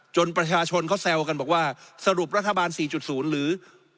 ประชาชนเขาแซวกันบอกว่าสรุปรัฐบาล๔๐หรือ